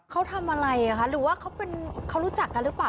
เขาทำอะไรคะหรือว่าเขารู้จักกันหรือเปล่า